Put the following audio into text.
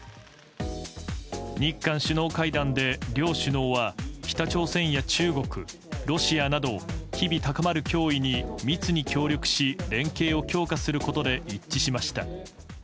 日韓首脳会談で両首脳は北朝鮮や中国、ロシアなど日々高まる脅威に密に協力し連携を強化することで一致しました。